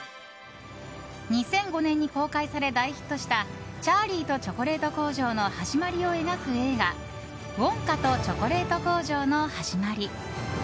２００５年に公開され大ヒットした「チャーリーとチョコレート工場」の始まりを描く映画「ウォンカとチョコレート工場のはじまり」。